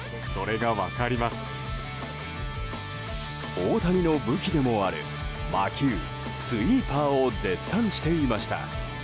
大谷の武器でもある魔球スイーパーを絶賛していました。